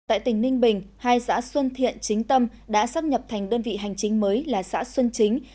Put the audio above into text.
tại tỉnh ninh bình hai xã xuân thiện chính tâm đã sắp nhập thành đơn vị hành chính mới là xã xuân chính